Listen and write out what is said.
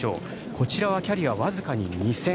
こちらはキャリア僅かに２戦。